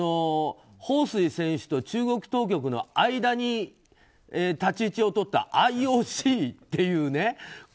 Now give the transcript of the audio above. ホウ・スイ選手と中国当局の間に立ち位置を取ったＩＯＣというね。